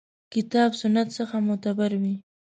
کتاب سنت څخه معتبر وي.